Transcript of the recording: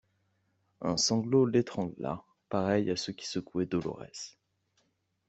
Un sanglot l'étrangla pareil à ceux qui secouaient Dolorès.